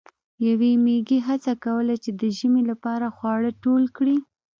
یوې میږی هڅه کوله چې د ژمي لپاره خواړه ټول کړي.